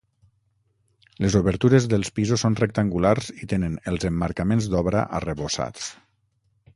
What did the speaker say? Les obertures dels pisos són rectangulars i tenen els emmarcaments d'obra arrebossats.